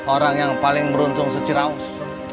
orang yang paling beruntung seceraus